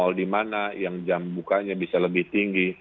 mal di mana yang jam bukanya bisa lebih tinggi